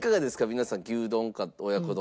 皆さん牛丼か親子丼。